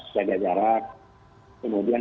jaga jarak kemudian